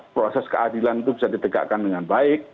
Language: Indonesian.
proses keadilan itu bisa ditegakkan dengan baik